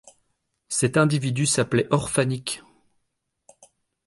Cet individu s’appelait Orfanik.